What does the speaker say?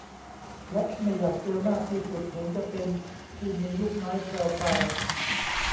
และไม่อยากเจอมากที่สุดเห็นจะเป็น ที่มีลูกไม้แพรวพราว